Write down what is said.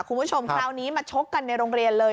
คุณผู้ชมคราวนี้มาชกกันในโรงเรียนเลย